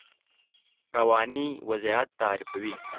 رواني وضعیت تعریفوي.